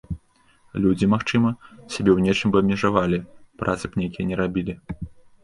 Людзі, магчыма, сябе ў нечым бы абмежавалі, працы б нейкія не рабілі.